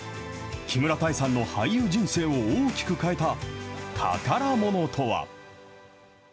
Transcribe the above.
木村多江さんの俳優人生を大きく変えた宝ものとは。